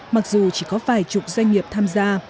mặc dù chỉ có vài chục doanh nghiệp tham gia